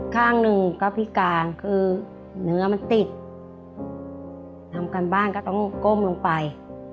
ข้างหนึ่งก็พิการคือเนื้อมันติดทำการบ้านก็ต้องก้มลงไป